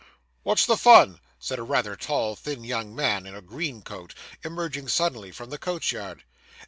'What's the fun?' said a rather tall, thin, young man, in a green coat, emerging suddenly from the coach yard.